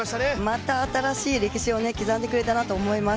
また新しい歴史を刻んでくれたなと思います。